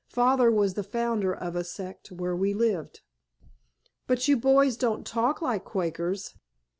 Father was the founder of a sect where we lived." "But you boys don't talk like Quakers!"